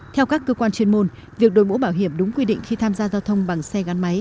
theo các cơ quan chuyên môn việc đổi mũ bảo hiểm đúng quy định khi tham gia giao thông bằng xe gắn máy